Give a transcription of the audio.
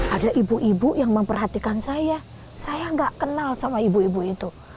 ada ibu ibu yang memperhatikan saya saya nggak kenal sama ibu ibu itu